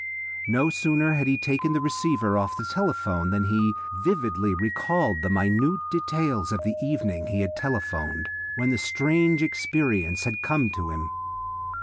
No sooner had he taken the receiver off the telephone than he vividly recalled the minute details of the evening he had telephoned, when the strange experience had come to him.